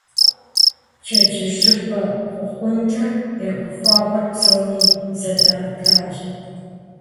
Пщэдджыжьыпэ хъухункӀэ я гуфӀэгъуэр псоми зэдаӀэтащ.